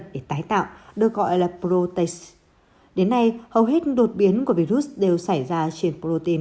để tái tạo được gọi là protax đến nay hầu hết đột biến của virus đều xảy ra trên protein